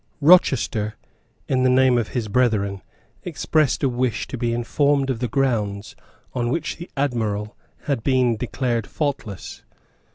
Rochester, in the name of his brethren, expressed a wish to be informed of the grounds on which the Admiral had been declared faultless.